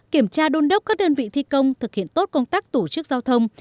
kiểm tra đôn đốc các đơn vị thi công thực hiện tốt công tác tổ chức giao thông